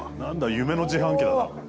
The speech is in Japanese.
夢の自販機だな。